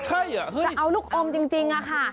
จะเอาลูกอมจริงค่ะ